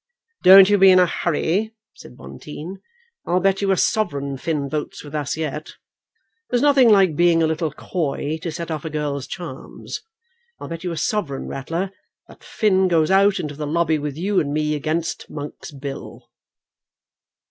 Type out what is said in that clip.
"Don't you be in a hurry," said Bonteen. "I'll bet you a sovereign Finn votes with us yet. There's nothing like being a little coy to set off a girl's charms. I'll bet you a sovereign, Ratler, that Finn goes out into the lobby with you and me against Monk's bill."